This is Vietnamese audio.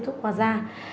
và tiếp tục qua da